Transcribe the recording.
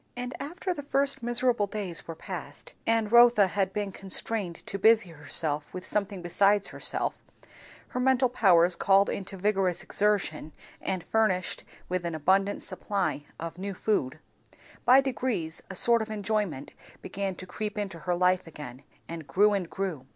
And after the first miserable days were past, and Rotha had been constrained to busy herself with something besides herself; her mental powers called into vigorous exertion and furnished with an abundant supply of new food; by degrees a sort of enjoyment began to creep into her life again, and grew, and grew.